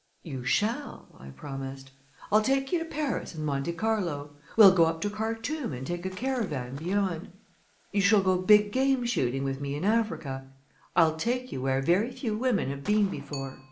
"You shall," I promised. "I'll take you to Paris and Monte Carlo. We'll go up to Khartum and take a caravan beyond. You shall go big game shooting with me in Africa. I'll take you where very few women have been before.